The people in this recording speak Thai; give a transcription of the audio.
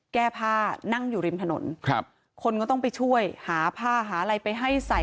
แก้ผ้านั่งอยู่ริมถนนครับคนก็ต้องไปช่วยหาผ้าหาอะไรไปให้ใส่